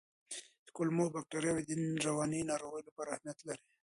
کولمو بکتریاوې د رواني ناروغیو لپاره اهمیت لري.